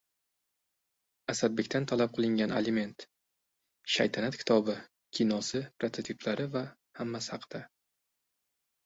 Asadbekdan talab qilingan aliment. «Shaytanat» kitobi, kinosi, prototiplari va... hammasi haqida